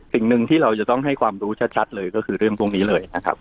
สิ่งหนึ่งที่เราจะต้องให้ความรู้ชัดเลยก็คือเรื่องพวกนี้เลยนะครับ